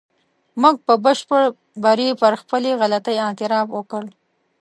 موږ په بشپړ بري پر خپلې غلطۍ اعتراف وکړ.